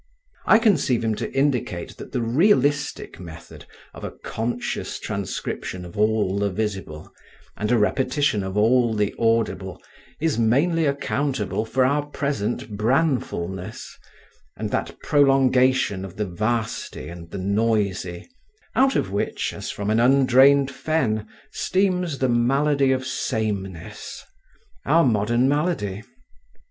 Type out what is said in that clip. I conceive him to indicate that the realistic method of a conscientious transcription of all the visible, and a repetition of all the audible, is mainly accountable for our present branfulness, and that prolongation of the vasty and the noisy, out of which, as from an undrained fen, steams the malady of sameness, our modern malady.